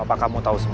atau kamu mau losing